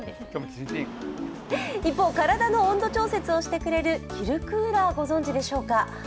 一方、体の温度調節をしてくれる着るクーラー、ご存じでしょうか。